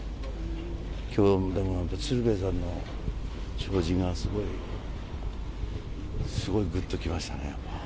きょうでも、鶴瓶さんの弔辞が、すごいぐっときましたね。